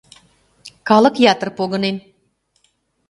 Калык ятыр погынен.